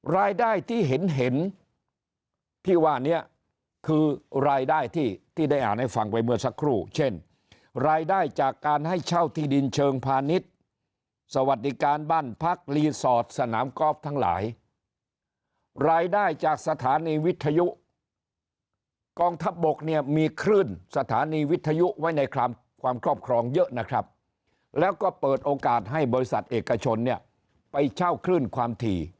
กองทัพบุกจะนำเข้ากองทัพบุกแล้วกองทัพบุกจะนำเข้ากองทัพบุกแล้วกองทัพบุกจะนำเข้ากองทัพบุกแล้วกองทัพบุกจะนำเข้ากองทัพบุกแล้วกองทัพบุกจะนำเข้ากองทัพบุกแล้วกองทัพบุกจะนำเข้ากองทัพบุกแล้วกองทัพบุกจะนำเข้ากองทัพบุกแล้วกองทัพบุกจะนำเข้ากองทัพบุกแล้วกองทัพบุกจะนำเข้ากองทัพบุกแล้วกองทัพ